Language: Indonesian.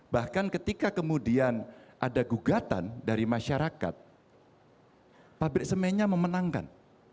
bahkan ketika kemudian ada gugatan dari masyarakat pabrik semennya memenangkan